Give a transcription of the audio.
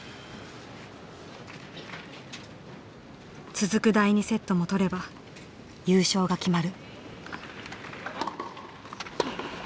続く第２セットも取れば優勝が決まる。